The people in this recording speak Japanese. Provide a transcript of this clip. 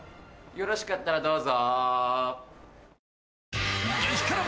よろしかったらどうぞ。